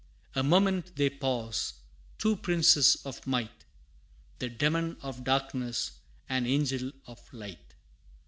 A moment they pause, two princes of might, The Demon of Darkness, an Angel of Light!